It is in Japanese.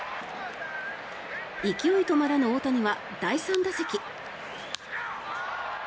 勢い止まらぬ大谷は第３打席。